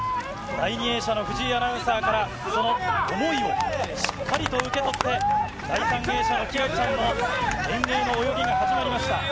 第２泳者の藤井アナウンサーからその思いをしっかりと受け取って、第３泳者、輝星ちゃんの遠泳の泳ぎが始まりました。